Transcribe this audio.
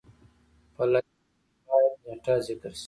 په لایحه کې باید نیټه ذکر شي.